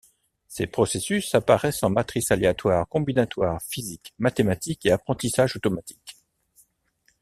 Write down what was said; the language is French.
Ces processus apparaissent en matrices aléatoires, combinatoires, physique mathématique et apprentissage automatique.